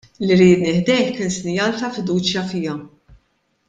Li riedni ħdejh kien sinjal ta' fiduċja fija.